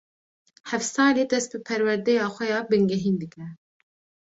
Heft salî dest bi perwedeya xwe ya bingehîn dike.